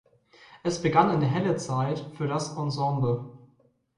Es begann ein helle Zeit für das Ensemble.